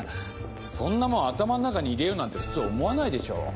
そんなもん頭ん中に入れようなんて普通思わないでしょう